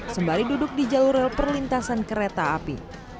sembari duduk di jalur rel perlintasan kereta api